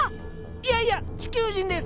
いやいや地球人です！